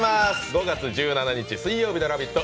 ５月１７日、水曜日の「ラヴィット！」